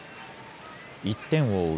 １点を追う